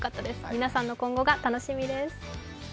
皆さんの今後が楽しみです。